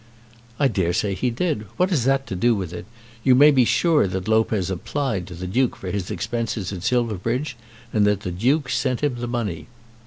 "I dare say he did. What has that to do with it? You may be sure that Lopez applied to the Duke for his expenses at Silverbridge, and that the Duke sent him the money."